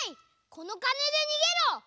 このかねでにげろ！